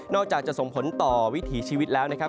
อกจากจะส่งผลต่อวิถีชีวิตแล้วนะครับ